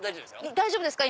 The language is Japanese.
大丈夫ですか？